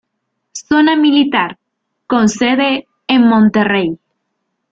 Zona Militar, con sede en Monterrey.